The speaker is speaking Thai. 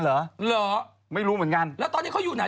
แล้วตอนนี้เขาอยู่ไหนตอนนี้เขาอยู่ไหน